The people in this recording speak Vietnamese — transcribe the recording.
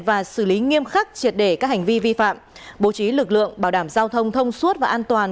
và xử lý nghiêm khắc triệt để các hành vi vi phạm bố trí lực lượng bảo đảm giao thông thông suốt và an toàn